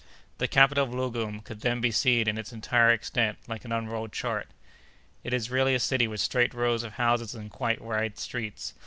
The capital of Loggoum could then be seen in its entire extent, like an unrolled chart. It is really a city with straight rows of houses and quite wide streets.